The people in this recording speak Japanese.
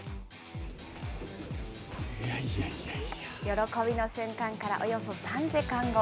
喜びの瞬間からおよそ３時間後。